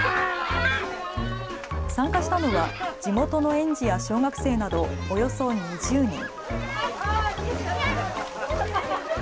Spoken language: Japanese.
参加したのは地元の園児や小学生などおよそ２０人。